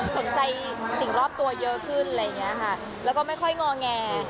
สนใจสิ่งรอบตัวเยอะขึ้นอะไรอย่างเงี้ยค่ะแล้วก็ไม่ค่อยงอแง